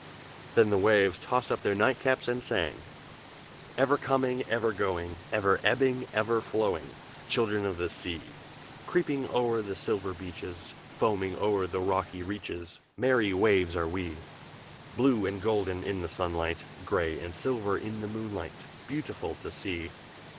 Then the waves tossed up their nightcaps and sang: "Ever coming, ever going, Ever ebbing, ever flowing, Children of the sea. Creeping o'er the silver beaches, Foaming o'er the rocky reaches, Merry waves are we! "Blue and golden in the sunlight, Gray and silver in the moonlight, Beautiful to see.